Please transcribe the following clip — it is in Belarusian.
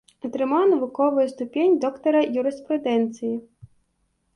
Атрымаў навуковую ступень доктара юрыспрудэнцыі.